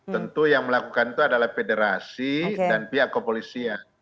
tentu yang melakukan itu adalah federasi dan pihak kepolisian